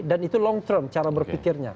dan itu long term cara berpikirnya